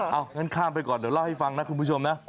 เอางั้นข้ามไปก่อนเดี๋ยวเล่าให้ฟังนะคุณผู้ชมนะ